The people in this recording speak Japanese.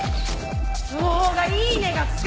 その方がいいねがつく。